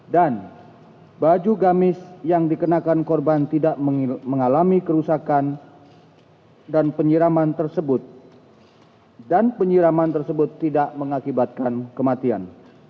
dan baju gamis yang dikenakan korban tidak mengalami kerusakan dan penyiraman tersebut tidak mengakibatkan kematian